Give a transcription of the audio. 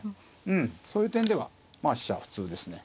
うんそういう点ではまあ飛車は普通ですね。